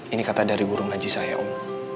ini kata dari guru ngaji saya om